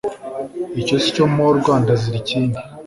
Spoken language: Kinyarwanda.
icyo si cyo mporwa ndazira ikindi